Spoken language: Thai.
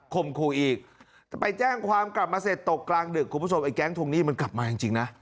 คู่อีกแต่ไปแจ้งความกลับมาเสร็จตกกลางดึกคุณผู้ชมไอ้แก๊งทวงหนี้มันกลับมาจริงนะ